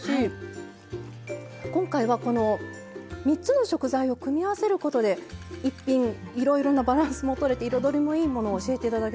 今回はこの３つの食材を組み合わせることで１品いろいろなバランスもとれて彩りもいいものを教えて頂きました。